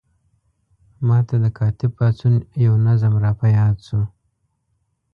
ما ته د کاتب پاڅون یو نظم را په یاد شو.